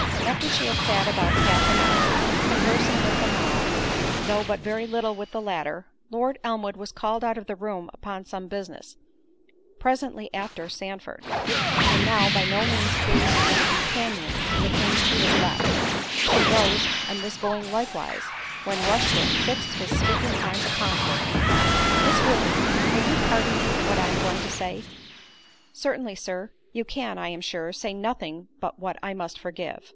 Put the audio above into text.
After she had sat about half an hour, conversing with them all, though but very little with the latter, Lord Elmwood was called out of the room upon some business; presently after, Sandford; and now, by no means pleased with the companion with whom she was left, she rose, and was going likewise, when Rushbrook fixed his speaking eyes upon her, and cried, "Miss Woodley, will you pardon me what I am going to say?" "Certainly, Sir. You can, I am sure, say nothing but what I must forgive."